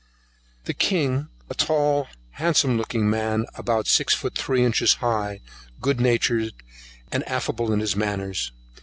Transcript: The King is a tall handsome looking man, about six feet three inches high, good natured, and affable in his manners.